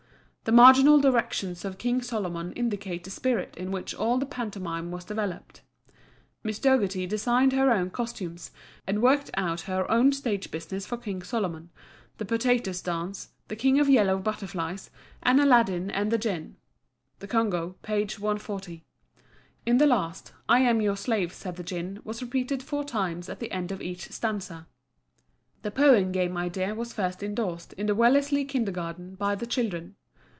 The marginal directions of King Solomon indicate the spirit in which all the pantomime was developed. Miss Dougherty designed her own costumes, and worked out her own stage business for King Solomon, The Potatoes' Dance, The King of Yellow Butterflies and Aladdin and the Jinn (The Congo, page 140). In the last, "'I am your slave,' said the Jinn" was repeated four times at the end of each stanza. The Poem Game idea was first indorsed in the Wellesley kindergarten, by the children.